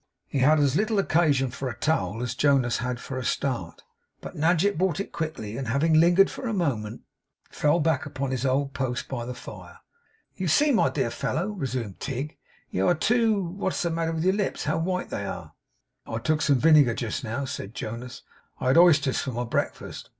He had as little occasion for a towel as Jonas had for a start. But Nadgett brought it quickly; and, having lingered for a moment, fell back upon his old post by the fire. 'You see, my dear fellow,' resumed Tigg, 'you are too what's the matter with your lips? How white they are!' 'I took some vinegar just now,' said Jonas. 'I had oysters for my breakfast.